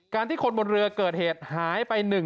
การที่คนบนเรือเกิดเหตุหายไป๑๒วัน